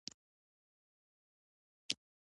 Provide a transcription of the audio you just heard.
راکټ د لرې هدف په نښه کوي